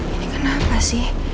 ini kenapa sih